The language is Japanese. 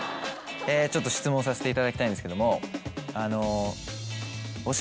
ちょっと質問させていただきたいんですけども。